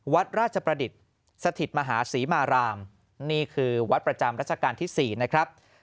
วัดราชประดิษฐ์สถิตมหาศรีมารามนี่คือวัดประจำรัชกาลที่๔นะครับ